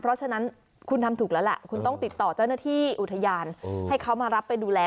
เพราะฉะนั้นคุณทำถูกแล้วแหละคุณต้องติดต่อเจ้าหน้าที่อุทยานให้เขามารับไปดูแล